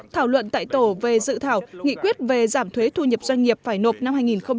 thảo luận tại tổ về dự thảo nghị quyết về giảm thuế thu nhập doanh nghiệp phải nộp năm hai nghìn hai mươi